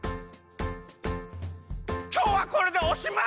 きょうはこれでおしまい！